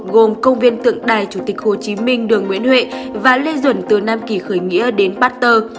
gồm công viên tượng đài chủ tịch hồ chí minh đường nguyễn huệ và lê duẩn từ nam kỳ khởi nghĩa đến pasteur